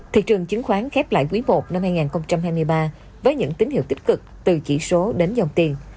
thị trường chứng khoán khép lại quý i năm hai nghìn hai mươi ba với những tín hiệu tích cực từ chỉ số đến dòng tiền